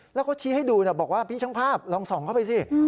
แล้วเขาชี้ให้ดูบอกว่าพี่ช่างภาพลองส่องเข้าไปสิ